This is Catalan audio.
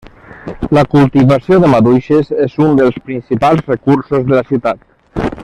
La cultivació de maduixes és un dels principals recursos de la ciutat.